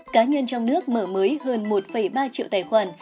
cá nhân trong nước mở mới hơn một ba triệu tài khoản